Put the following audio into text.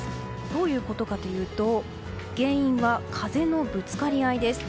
どういうことかというと原因は、風のぶつかり合いです。